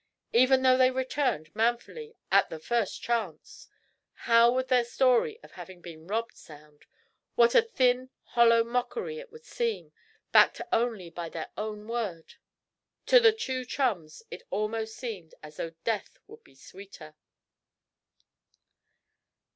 Even though they returned, manfully, at the first chance, how would their story of having been robbed sound? What a thin, hollow mockery it would seem, backed only by their own word! To the two chums it almost seemed as though death would be sweeter!